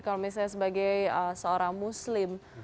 kalau misalnya sebagai seorang muslim